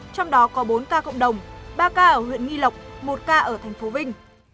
trong đó có bốn ca cộng đồng ba ca ở huyện nghi lộc một ca ở thành phố vinh